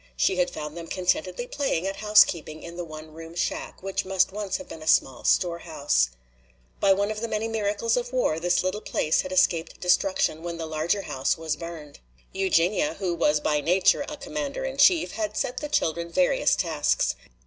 She had found them contentedly playing at housekeeping in the one room shack, which must once have been a small storehouse. By one of the many miracles of war this little place had escaped destruction when the larger house was burned. Eugenia, who was by nature a commander in chief, had set the children various tasks.